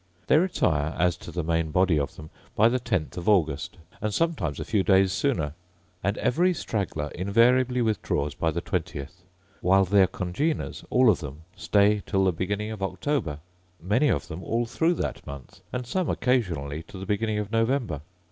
They retire, as to the main body of them, by the tenth of August, and sometimes a few days sooner: and every straggler invariably withdraws by the twentieth, while their congeners, all of them, stay till the beginning of October; many of them all through that month, and some occasionally to the beginning of November.